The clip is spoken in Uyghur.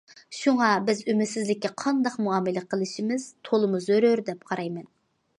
شۇڭا بىز ئۈمىدسىزلىككە قانداق مۇئامىلە قىلىشىمىز تولىمۇ زۆرۈر دەپ قارايمەن.